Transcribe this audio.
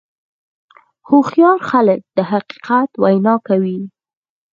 هوښیار خلک د حقیقت وینا کوي.